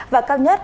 và cao nhất